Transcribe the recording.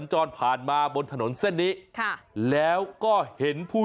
หลบซ่อนอยู่